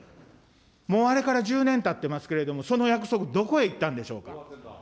もうあれから１０年たっていますけれども、その約束、どこへ行ったんでしょうか。